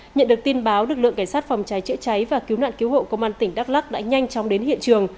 nhận được tin báo lực lượng cảnh sát phòng cháy chữa cháy và cứu nạn cứu hộ công an tỉnh đắk lắc đã nhanh chóng đến hiện trường